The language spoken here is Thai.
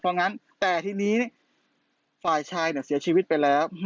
เพราะงั้นแต่ทีนี้ฝ่ายชายเสียชีวิตไปแล้ว